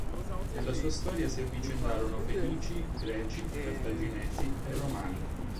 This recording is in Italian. Nella sua storia si avvicendarono Fenici, Greci, Cartaginesi e Romani.